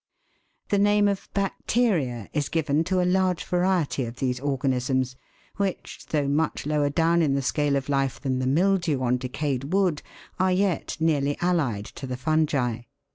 The name of bacteria (Fig. 8) is given to a large variety of these organisms, which, though much lower down in the scale of life than the mildew on decayed wood, are yet nearly allied to the fungi.